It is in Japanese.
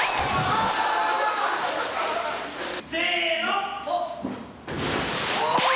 せの！